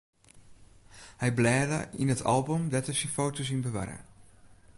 Hy blêde yn it album dêr't er syn foto's yn bewarre.